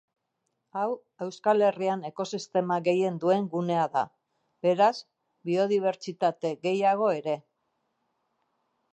Hau, Euskal Herrian ekosistema gehien duen gunea da; beraz, biodibertsitate gehaiago ere.